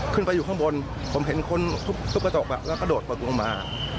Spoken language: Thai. ขึ้นไปอยู่ข้างบนผมเห็นคนทุบกระจกแล้วก็โดดประตูลงมา